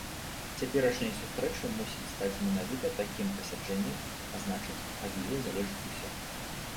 Цяперашняй сустрэчы мусіць стаць менавіта такім пасяджэннем, а значыць, ад яе залежыць усё.